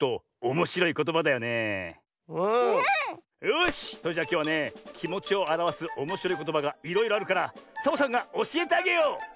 よしそれじゃあきょうはねきもちをあらわすおもしろいことばがいろいろあるからサボさんがおしえてあげよう！